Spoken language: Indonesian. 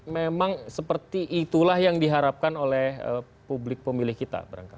memang seperti itulah yang diharapkan oleh publik pemilih kita